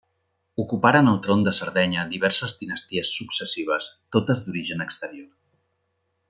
Ocuparen el tron de Sardenya diverses dinasties successives, totes d'origen exterior.